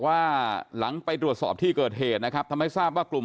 ว่าหลังไปตรวจสอบที่เกิดเหตุนะครับทำให้ทราบว่ากลุ่ม